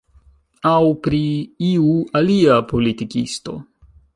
Aŭ pri iu alia politikisto.